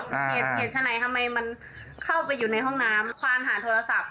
เหตุฉะไหนทำไมมันเข้าไปอยู่ในห้องน้ำควานหาโทรศัพท์